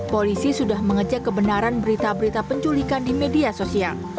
polisi sudah mengecek kebenaran berita berita penculikan di media sosial